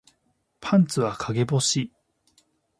パンツは陰干し